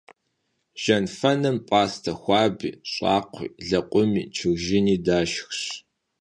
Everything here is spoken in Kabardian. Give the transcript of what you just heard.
Жьэнфэным пӀастэ хуаби, щӀакхъуи, лэкъуми, чыржыни дашх.